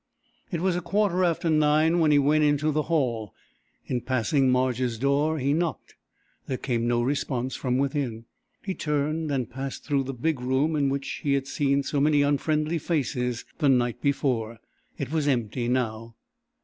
It was a quarter after nine when he went into the hall. In passing Marge's door he knocked. There came no response from within. He turned and passed through the big room in which he had seen so many unfriendly faces the night before. It was empty now.